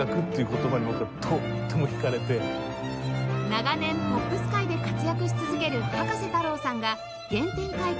長年ポップス界で活躍し続ける葉加瀬太郎さんが原点回帰